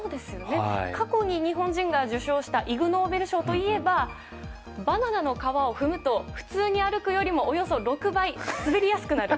過去に日本人が受賞したイグ・ノーベル賞といえばバナナの皮を踏むと普通に歩くよりもおよそ６倍滑りやすくなる。